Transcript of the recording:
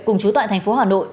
cùng trú tại thành phố hà nội